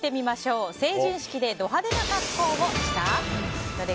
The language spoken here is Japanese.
成人式でド派手な格好をした？。